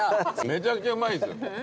めちゃくちゃうまいっすよ。